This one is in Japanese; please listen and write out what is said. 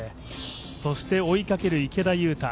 そして追いかける池田勇太